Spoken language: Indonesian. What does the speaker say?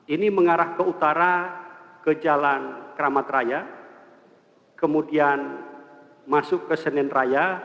ini mengarah ke utara ke jalan keramat raya kemudian masuk ke senin raya